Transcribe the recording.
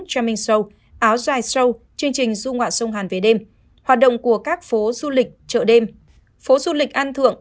tramming show áo dài show chương trình du ngoại sông hàn về đêm hoạt động của các phố du lịch chợ đêm phố du lịch ăn thượng